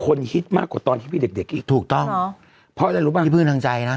คนฮิตมากกว่าตอนที่มีเด็กอีกถูกต้องเพราะอะไรรู้มั้ยที่พี่เพิ่งถนังใจนะ